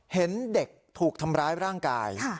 เห็นเด็กถูกทำร้ายร่างกาย